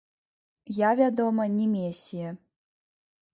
Я, вядома, не месія.